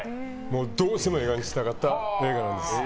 どうしても映画にしたかった映画なんです。